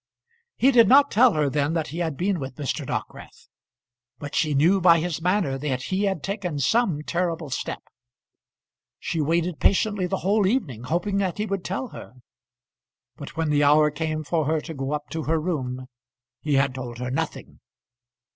He did not tell her then that he had been with Mr. Dockwrath, but she knew by his manner that he had taken some terrible step. She waited patiently the whole evening, hoping that he would tell her, but when the hour came for her to go up to her room he had told her nothing.